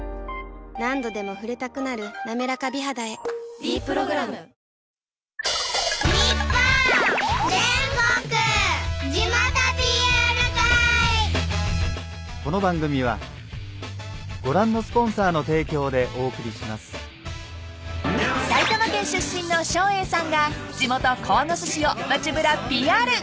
何度でも触れたくなる「なめらか美肌」へ「ｄプログラム」［埼玉県出身の照英さんが地元鴻巣市を街ぶらＰＲ］